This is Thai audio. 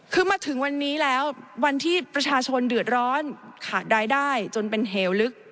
คือมาถึงวันนี้แล้ววันที่ประชาชนเดือดร้อนขาดรายได้จนเป็นเหวลึก